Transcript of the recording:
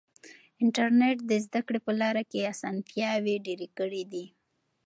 انټرنیټ د زده کړې په لاره کې اسانتیاوې ډېرې کړې دي.